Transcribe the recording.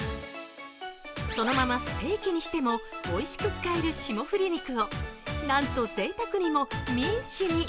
そのままステーキにしてもおいしく使える霜降り肉をなんとぜいたくにもミンチに。